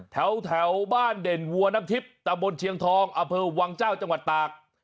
แถวบ้านเด่นวัวน้ำทิพย์ตะบนเชียงทองอเภอวังเจ้าจังหวัดตาก